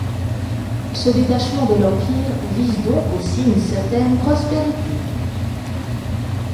Ce détachement de l'Empire vise donc aussi une certaine prospérité.